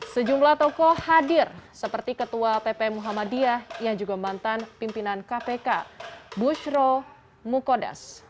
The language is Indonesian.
sejumlah tokoh hadir seperti ketua pp muhammadiyah yang juga mantan pimpinan kpk bushro mukodas